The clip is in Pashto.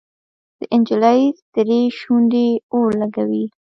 د نجلۍ سرې شونډې اور لګوي.